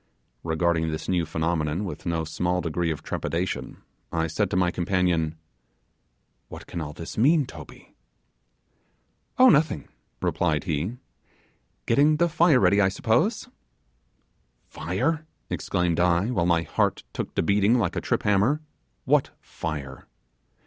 Regarding this new phenomenon with no small degree of trepidation, I said to my companion, 'What can all this mean, Toby?' 'Oh, nothing,' replied he; 'getting the fire ready, I suppose.' 'Fire!' exclaimed I, while my heart took to beating like a trip hammer, 'what fire?